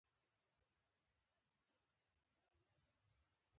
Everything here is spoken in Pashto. د بریښنا په برخه کې مهمې لاسته راوړنې وشوې.